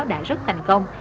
đã rất thành công